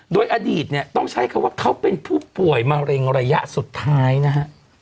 โดยอดีตเนี่ยต้องใช้คำว่าเขาเป็นผู้ป่วยมะเร็งระยะสุดท้ายนะฮะ